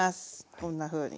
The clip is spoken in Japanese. こんなふうに。